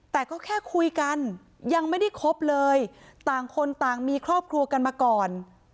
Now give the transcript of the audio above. แต่ก็แค่คุยกันยังไม่ได้คบเลยต่างคนต่างมีครอบครัวกันมาก่อน